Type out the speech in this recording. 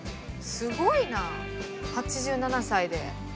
すごいな８７歳で。